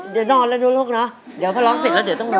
เดี๋ยวนอนแล้วนะลูกเนอะเดี๋ยวพอร้องเสร็จแล้วเดี๋ยวต้องรอ